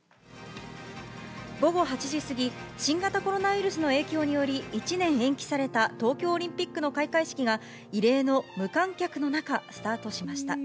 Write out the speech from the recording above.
午後８時過ぎ、新型コロナウイルスの影響により１年延期された東京オリンピックの開会式が、異例の無観客の中、スタートしました。